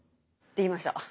できました。